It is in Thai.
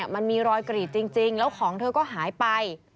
มันมีรอยกรีดจริงแล้วของเธอก็หายไป